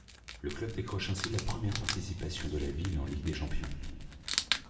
Le club décroche ainsi la première participation de la ville en Ligue des Champions.